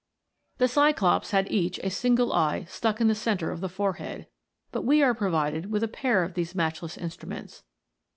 The Cyclops had each a single eye stuck in the centre of the forehead, but we are provided with a pair of these matchless instruments.